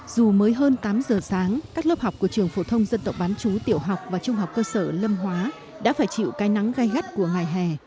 dù mới hơn tám giờ sáng các lớp học của trường phổ thông dân tộc bán chú tiểu học và trung học cơ sở lâm hóa đã phải chịu cái nắng gai gắt của ngày hè